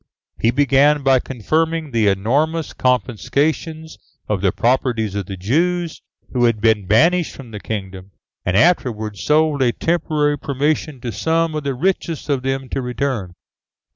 He began by confirming the enormous confiscations of the properties of the Jews, who had been banished from the kingdom, and afterwards sold a temporary permission to some of the richest of them to return.